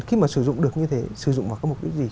khi mà sử dụng được như thế sử dụng vào các bộ phí gì